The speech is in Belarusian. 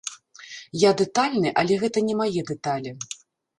Я дэтальны, але гэта не мае дэталі.